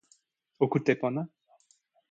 o kute pona.